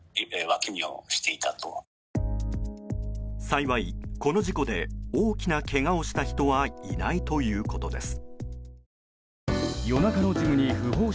幸い、この事故で大きなけがをした人はいないということです。